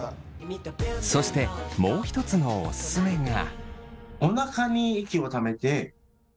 そしてもう一つのオススメが。